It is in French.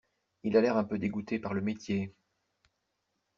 Il a l’air un peu dégoûté par le métier.